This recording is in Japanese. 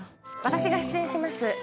私が出演します